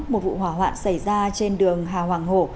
một vụ hỏa hoạn xảy ra trên đường hà hoàng hổ